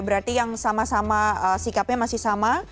berarti yang sama sama sikapnya masih sama